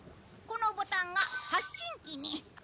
このボタンが発信機に。